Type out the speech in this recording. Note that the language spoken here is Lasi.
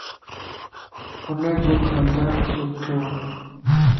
ھنَ جو خاندان سھڻوَ